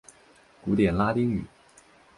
古典拉丁语。